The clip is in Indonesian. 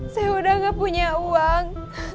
saya udah gak punya uang